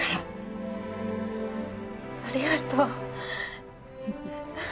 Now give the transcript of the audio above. ありがとう。